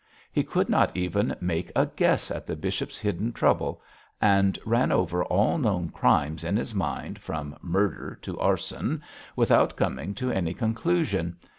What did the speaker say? He could not even make a guess at the bishop's hidden trouble, and ran over all known crimes in his mind, from murder to arson, without coming to any conclusion.